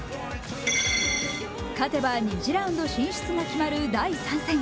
勝てば２次ラウンド進出が決まる第３戦。